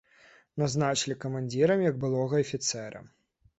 Назначылі камандзірам, як былога афіцэра.